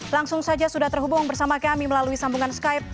langsung saja sudah terhubung bersama kami melalui sambungan skype